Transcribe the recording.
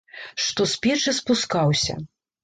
Што з печы спускаўся!